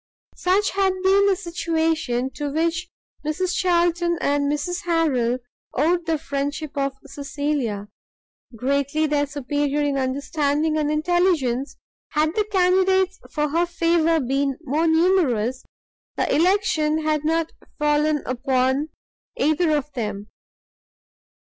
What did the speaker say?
Such had been the situation to which Mrs Charlton and Mrs Harrel owed the friendship of Cecilia. Greatly their superior in understanding and intelligence, had the candidates for her favour been more numerous, the election had not fallen upon either of them.